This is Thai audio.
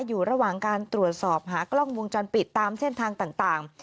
อยู่ระหว่างการตรวจสอบหากล้องวงจรปิดตามเส้นทางต่าง